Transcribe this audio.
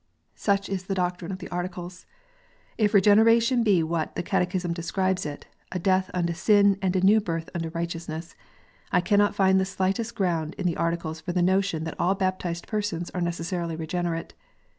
Such is the doctrine of the Articles. If Regeneration be what the Catechism describes it, "a death unto sin and a new birth unto righteousness," I cannot find the slightest ground in the Articles for the notion that all baptized persons are necessarily regenerate.